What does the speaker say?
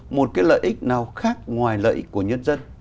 một cái lợi ích nào khác ngoài lợi của nhân dân